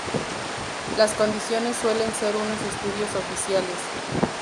Las condiciones suelen ser unos estudios oficiales.